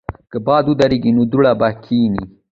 که باد ودریږي، نو دوړه به کښېني.